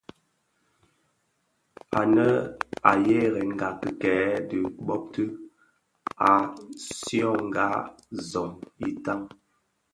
Ànë à yerênga rikêê di bôbti, à syongà zɔng itan.